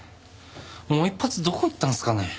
もう１発どこ行ったんすかね？